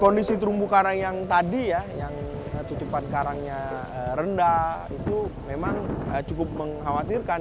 kondisi terumbu karang yang tadi ya yang tutupan karangnya rendah itu memang cukup mengkhawatirkan